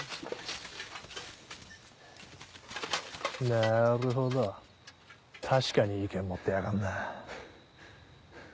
なるほど確かにいい剣持ってやがんな。